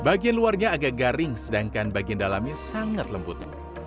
bagian luarnya agak garing sedangkan bagian dalamnya sangat lembut